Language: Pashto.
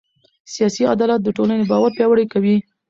سیاسي عدالت د ټولنې باور پیاوړی کوي